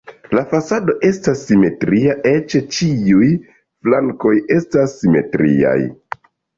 La fasado estas simetria, eĉ ĉiuj flankoj estas simetriaj.